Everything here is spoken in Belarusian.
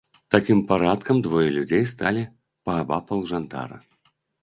Такім парадкам двое людзей сталі паабапал жандара.